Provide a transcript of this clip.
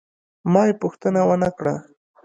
ما یې پوښتنه ونه کړه.